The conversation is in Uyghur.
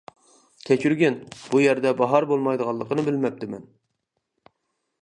كەچۈرگىن، بۇ يەردە باھار بولمايدىغانلىقىنى بىلمەپتىمەن.